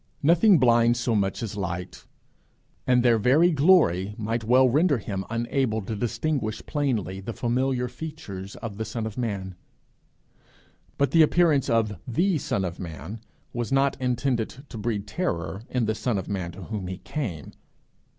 Nothing blinds so much as light, and their very glory might well render him unable to distinguish plainly the familiar features of The Son of Man. But the appearance of The Son of Man was not intended to breed terror in the son of man to whom he came.